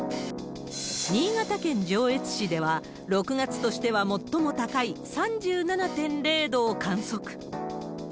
新潟県上越市では、６月としては最も高い３７．０度を観測。